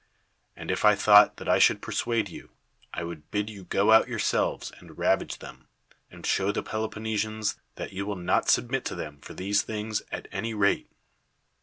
And if I thought that I should persuade you, I would bid you go out yourselves and ravage them, and show the Peloponnesians that you will not submit to them for these things, at any rate.